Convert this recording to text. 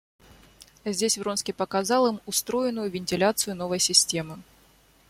Здесь Вронский показал им устроенную вентиляцию новой системы.